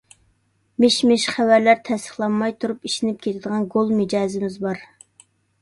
مىش-مىش خەۋەرلەر تەستىقلانماي تۇرۇپ ئىشىنىپ كېتىدىغان گول مىجەزىمىز بار.